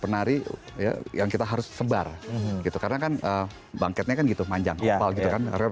penari ya yang kita harus sebar gitu karena kan bangketnya kan gitu panjang apal gitu kan karena